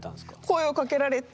声をかけられて。